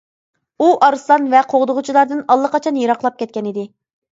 ئۇ ئارسلان ۋە قوغدىغۇچىلاردىن ئاللىقاچان يىراقلاپ كەتكەنىدى.